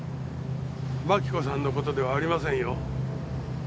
真紀子さんの事ではありませんよ。